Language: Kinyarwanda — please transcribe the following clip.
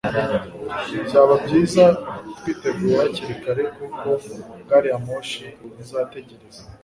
byaba byiza twiteguye hakiri kare kuko gari ya moshi ntizategereza